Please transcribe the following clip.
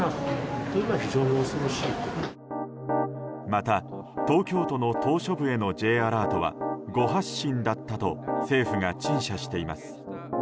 また、東京都の島しょ部へのＪアラートは誤発信だったと政府が陳謝しています。